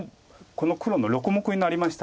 黒の６目になりましたね。